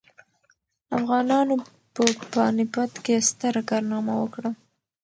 افغانانو په پاني پت کې ستره کارنامه وکړه.